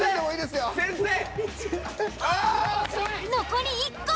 残り１個！